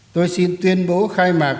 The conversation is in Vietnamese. tôi xin tuyên bố khai mạc